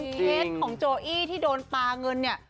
เคสของโจอี้ที่โดนปลาเงินเนี่ย